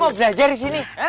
belajar di sini